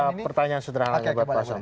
saya ada pertanyaan sederhana lagi buat pak asam